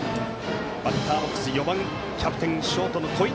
バッターボックス４番キャプテン、ショートの戸井。